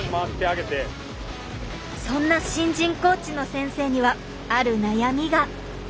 そんな新人コーチの先生にはある悩みが。